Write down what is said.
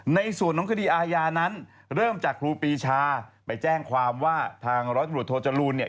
ในส่วนของคดีอาญานั้นเริ่มจากครูปีชาไปแจ้งความว่าทางร้อยตำรวจโทจรูลเนี่ย